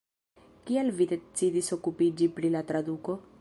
Kial vi decidis okupiĝi pri la traduko?